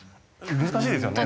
難しいですよね